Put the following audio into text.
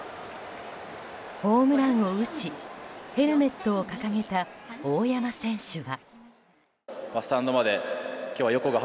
ホームランを打ちヘルメットを掲げた大山選手は。